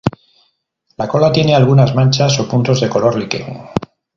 La cola tiene algunas manchas o puntos de color liquen.